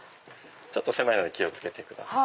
狭いので気を付けてください。